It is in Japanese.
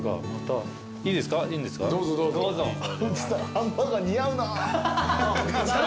ハンバーガー似合うな。